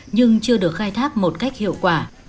nhưng chưa được khai thác một cách đúng